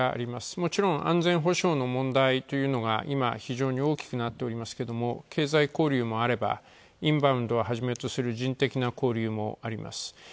もちろん安全保障の問題というのが非常に大きくなってますけども経済交流もあれば、インバウンドをはじめとする人的な交流もあります。